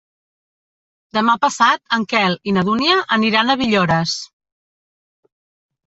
Demà passat en Quel i na Dúnia aniran a Villores.